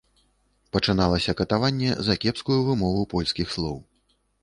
Пачыналася катаванне за кепскую вымову польскіх слоў.